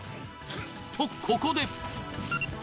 とここで。